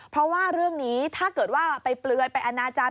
เพราะว่าเรื่องนี้ถ้าเกิดว่าไปเปลือยไปอนาจารย